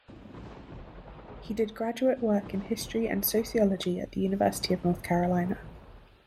He did graduate work in history and sociology at the University of North Carolina.